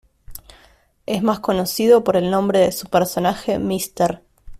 Es más conocido por el nombre de su personaje Mr.